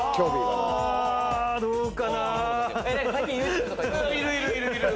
どうかな？